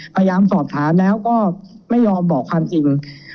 พยายามสอบถามแล้วก็ไม่ยอมบอกความจริง